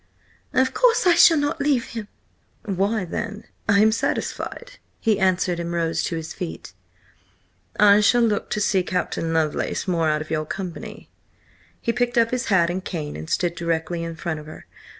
"Of course I shall not leave him!" "Why then, I am satisfied," he answered, and rose to his feet. "I shall look to see Captain Lovelace more out of your company." He picked up his hat and cane and stood directly in front of her.